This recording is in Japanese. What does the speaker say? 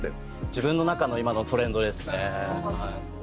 自分の中の今のトレンドですね。